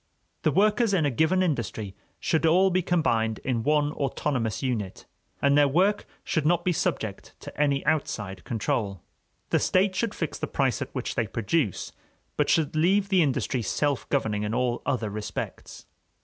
The workers in a given industry should all be combined in one autonomous unit, and their work should not be subject to any outside control. The state should fix the price at which they produce, but should leave the industry self governing in all other respects.